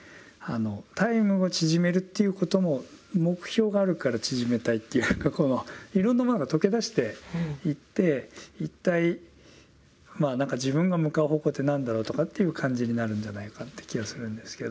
タイムを縮めるっていうことも目標があるから縮めたいっていうかいろんなものが溶け出していって一体まあ何か自分が向かう方向って何だろうとかっていう感じになるんじゃないかって気がするんですけど。